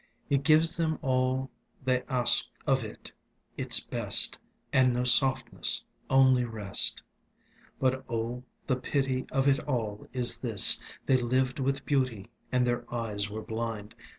It gives them all they ask of it — its best; No beauty and no softness — only rest. But oh, the pity of it all is this: They lived with beauty and their eyes were blind.